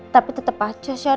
tapi tetep aja sya